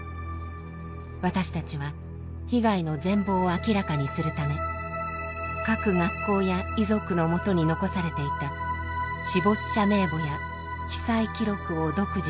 私たちは被害の全貌を明らかにするため各学校や遺族のもとに残されていた死没者名簿や被災記録を独自に収集。